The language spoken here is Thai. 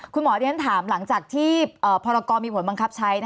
คุณหมอที่ฉันถามหลังจากที่พรกรมีผลบังคับใช้